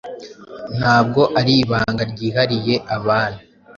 Ntabwo ari ibanga ryihariye abana